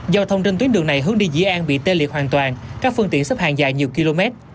giao thông trên tuyến đường này hướng đi dĩ an bị tê liệt hoàn toàn các phương tiện xếp hàng dài nhiều km